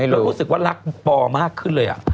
แล้วรู้สึกว่ารักปอมากขึ้นเลย